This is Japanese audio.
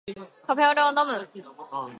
カフェオレを飲む